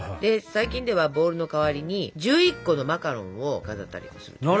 最近ではボールの代わりに１１個のマカロンを飾ったりもするわね。